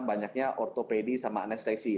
banyaknya ortopedi sama anestesi